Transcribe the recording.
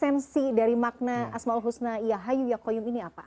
makna asma'ul husna yahayu yaqoyum ini apa